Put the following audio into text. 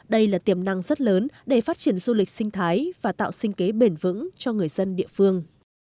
đây là tiềm năng rất lớn để phát triển du lịch sinh thái và tạo sinh kế bền vững cho người dân địa phương